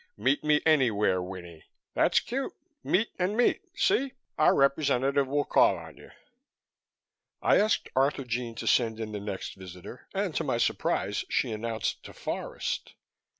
'Meet me anywhere, Winnie!' That's cute. 'Meet' and 'Meat,' see? Our representative will call on you." I asked Arthurjean to send in the next visitor and to my surprise she announced DeForest.